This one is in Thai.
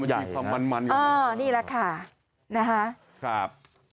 มีความมันมันอยู่นี่แหละค่ะนะฮะครับ